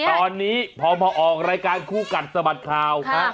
ตอนนี้พอมาออกรายการคู่กัดสะบัดข่าว